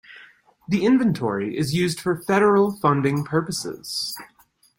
The Inventory is used for federal funding purposes.